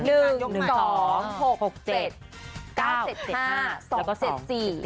อืม